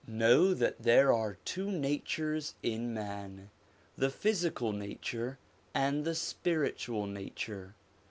Know that there are two natures in man : the physical nature and the spiritual nature.